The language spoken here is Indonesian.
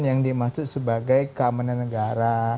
yang dimaksud sebagai keamanan negara